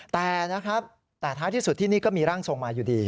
แต่นะครับแต่ท้ายที่สุดที่นี่ก็มีร่างทรงมาอยู่ดี